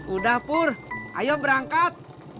udah pur ayo berangkat